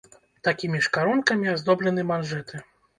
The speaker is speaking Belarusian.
Такімі ж карункамі аздоблены манжэты.